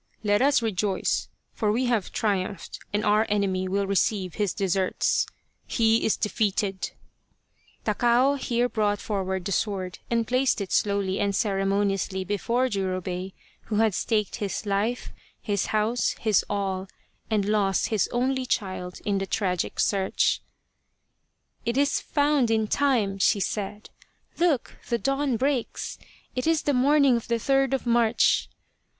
Let us rejoice, for we have triumphed and our enemy will receive his deserts he is defeated !" Takao here brought forward the sword and placed 54 The Quest of the Sword it slowly and ceremoniously before Jurobei who had staked his life, his house, his all, and lost his only child in the tragic search. " It is found in time !" she said. " Look, the dawn breaks ! It is the morning of the third of March